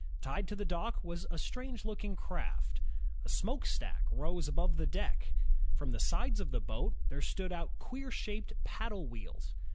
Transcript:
Tied to the dock was a strange looking craft. A smokestack rose above the deck. From the sides of the boat, there stood out queer shaped paddle wheels.